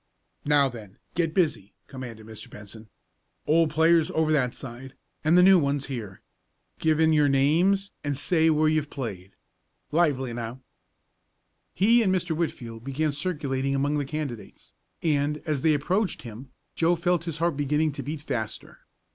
"Now then, get busy!" commanded Mr. Benson. "Old players over that side, and the new ones here. Give in your names, and say where you've played. Lively now!" He and Mr. Whitfield began circulating among the candidates, and, as they approached him, Joe felt his heart beginning to beat faster.